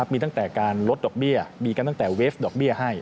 มีตั้งแต่การลดดอกเบี้ยมีการตั้งแต่เวฟดอกเบี้ยให้